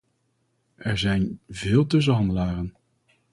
Er zijn veel tussenhandelaren.